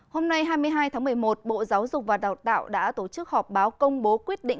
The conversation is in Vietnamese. hôm nay hai mươi hai tháng một mươi một bộ giáo dục và đào tạo đã tổ chức họp báo công bố quyết định